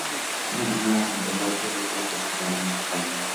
Una persona resultó muerta y otras dos quedaron desaparecidos.